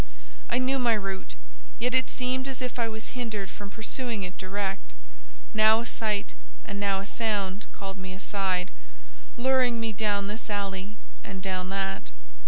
I knew my route, yet it seemed as if I was hindered from pursuing it direct: now a sight, and now a sound, called me aside, luring me down this alley and down that.